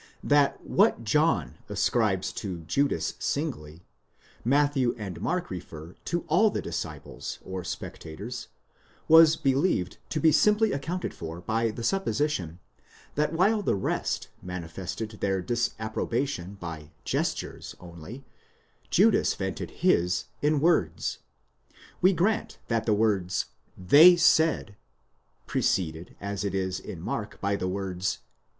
That what John ascribes to Judas singly, Matthew and Mark refer to all the disciples or spectators, was believed to be simply accounted for by the supposition, that while the rest manifested their disapprobation by gestures only, Judas vented his in words.!® We grant that the word ἔλεγον" (they said), preceded as it is in Mark by the words ἀγανακτοῦντες πρὸς ἑαυτοὺς.